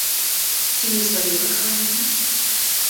Ці не сваю каханую?